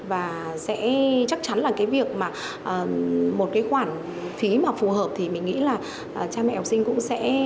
và sẽ chắc chắn là cái việc mà một cái khoản phí mà phù hợp thì mình nghĩ là cha mẹ học sinh cũng sẽ